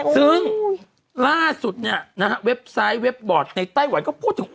ซึ่งล่าสุดเนี่ยนะฮะเว็บไซต์เว็บบอร์ดในไต้หวันก็พูดถึง